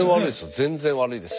全然悪いですよ。